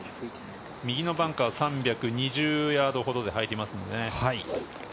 右のバンカー、３２０ヤードほどで入りますね。